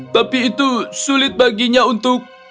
tapi itu sulit baginya untuk